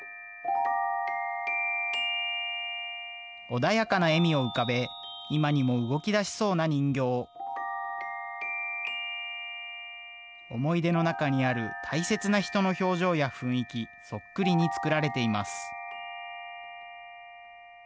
穏やかな笑みを浮かべ今にも動き出しそうな人形思い出の中にある大切な人の表情や雰囲気そっくりに作られています